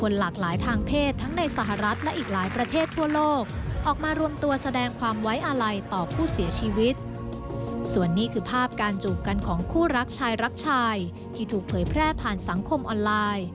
ส่วนนี้คือภาพการจูบกันของคู่รักชายรักชายที่ถูกเผยแพร่ผ่านสังคมออนไลน์